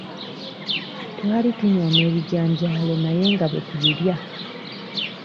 Twali tunyooma ebijanjaalo naye nga bwe tubirya.